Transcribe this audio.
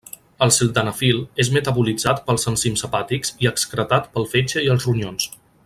El sildenafil és metabolitzat pels enzims hepàtics i excretat pel fetge i els ronyons.